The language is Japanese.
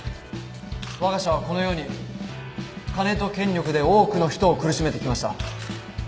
わが社はこのように金と権力で多くの人を苦しめてきました。